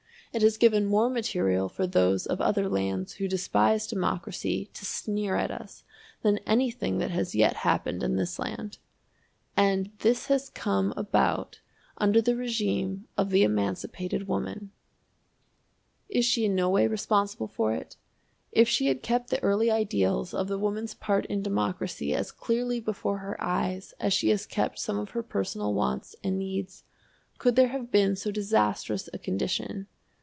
It has given more material for those of other lands who despise democracy to sneer at us than anything that has yet happened in this land. And this has come about under the régime of the emancipated woman. Is she in no way responsible for it? If she had kept the early ideals of the woman's part in democracy as clearly before her eyes as she has kept some of her personal wants and needs, could there have been so disastrous a condition?